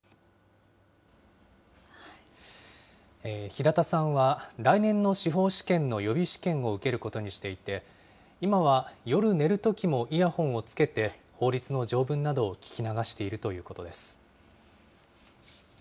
平田さんは、来年の司法試験の予備試験を受けることにしていて、今は夜寝るときもイヤホンをつけて、法律の条文などを聞き流しているということです。